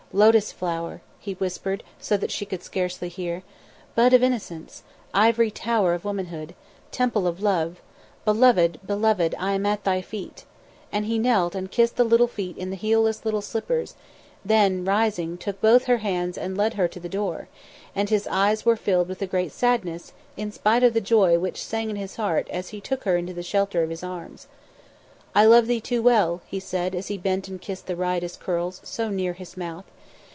"Lotus flower," he whispered so that she could scarcely hear. "Bud of innocence! ivory tower of womanhood! temple of love! Beloved, beloved, I am at thy feet." And he knelt and kissed the little feet in the heelless little slippers; then, rising, took both her hands and led her to the door; and his eyes were filled with a great sadness, in spite of the joy which sang in his heart as he took her into the shelter of his arms. "I love thee too well," he said, as he bent and kissed the riotous curls so near his mouth.